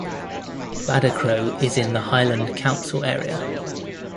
Badachro is in the Highland council area.